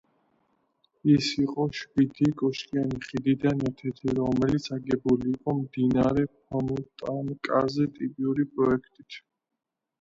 ეს იყო შვიდი კოშკიანი ხიდიდან ერთ-ერთი, რომელიც აგებული იყო მდინარე ფონტანკაზე ტიპური პროექტით.